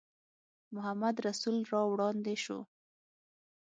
محمدرسول را وړاندې شو.